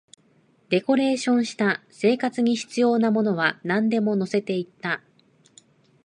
デコレーションした、生活に必要なものはなんでも乗せていった